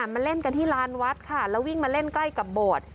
มาเล่นกันที่ลานวัดค่ะแล้ววิ่งมาเล่นใกล้กับโบสถ์